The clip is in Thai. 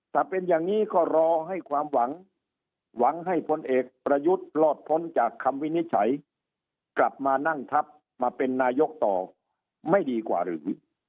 ถ้าเป็นอย่างนี้ก็รอให้ความหวังหวังให้พลเอกประยุทธ์รอดพ้นจากคำวินิจฉัยกลับมานั่งทับมาเป็นนายกต่อไม่ดีกว่าหรือ